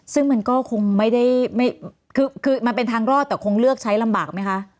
ซึ่งมันก็คงไม่ได้คือมันเป็นทางรอดแต่คงเลือกใช้ลำบากไหมคะ